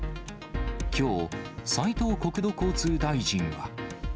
きょう、斉藤国土交通大臣は。